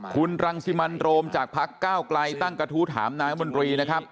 คุณรังสิมันโรมจากพักก้าวไกลตั้งกระทู้ถามนายมนตรีนะครับ